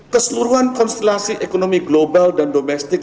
keseluruhan konstelasi ekonomi global dan domestik